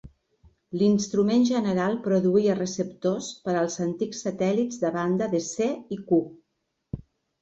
L'instrument general produïa receptors per als antics satèl·lits de banda de C i Ku.